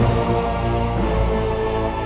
pasti itu robotnya sih